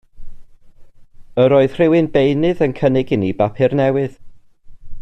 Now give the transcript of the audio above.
Yr oedd rhywun beunydd yn cynnig i ni bapur newydd.